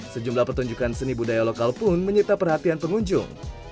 sejumlah pertunjukan seni budaya lokal pun menyita perhatian pengunjung